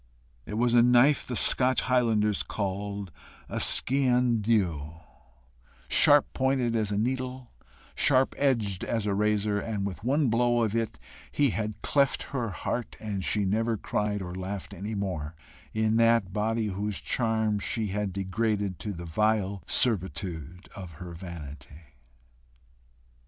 It was a knife the Scotch highlanders call a skean dhu, sharp pointed as a needle, sharp edged as a razor, and with one blow of it he had cleft her heart, and she never cried or laughed any more in that body whose charms she had degraded to the vile servitude of her vanity.